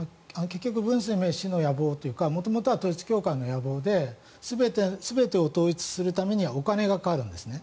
結局ムン・ソンミョン氏の野望というか元々は統一教会の野望で全てを統一するためにはお金がかかるんですね。